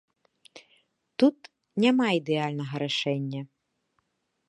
Тут няма ідэальнага рашэння.